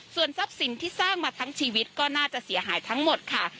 ส่วนทรัพย์สินที่สร้างมาทั้งชีวิตก็น่าจะเสียหายทั้งหมดค่ะ